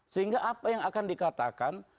sehingga apa yang akan dikatakan